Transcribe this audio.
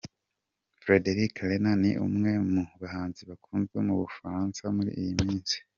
Frédéric Lerner ni umwe mu bahanzi bakunzwe mu bufaransa muri iyi minsi,.